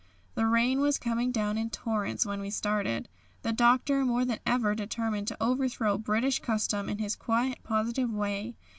The rain was coming down in torrents when we started, the Doctor more than ever determined to overthrow British custom in his quiet, positive way.